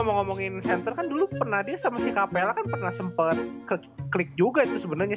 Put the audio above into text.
ngomongin sentra kan dulu pernah dia sama si kapella kan pernah sempet klik juga itu sebenarnya